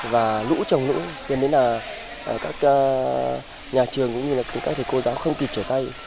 và đũ trồng đũ đến đến là các nhà trường cũng như các thầy cô giáo không kịp trở tay